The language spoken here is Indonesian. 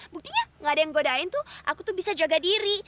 buktinya gak ada yang godain tuh aku tuh bisa jaga diri